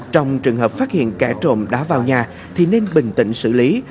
trong trường hợp phát hiện kẻ trộm đã vào nhà thì nên bình tĩnh xử lý